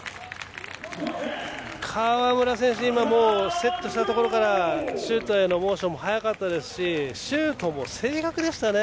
川村選手、セットしたところからシュートへのモーションも速かったですしシュートも正確でしたね。